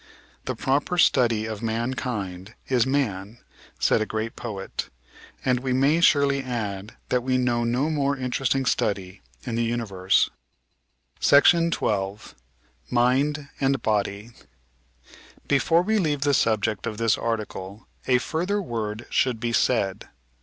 "The proper study of mankind is man," said a great poet ; and we may surely add that we know no more interest ing study in the universe. 358 The Outline of Sdoioe § 12 Mind and Body Before we leave the subject of this article a further word should be said.